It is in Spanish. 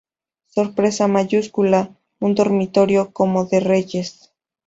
Sorpresa mayúscula, un dormitorio como de reyes.